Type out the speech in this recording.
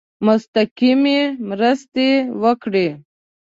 مستقیمي مرستي وکړي.